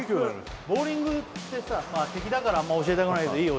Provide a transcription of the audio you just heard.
ボウリングってさ敵だからあんま教えたくないけどいい？